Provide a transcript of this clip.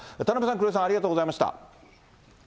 田邉さん、黒井さん、ありがとうございました。